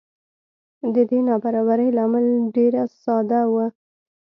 د دې نابرابرۍ لامل ډېره ساده و.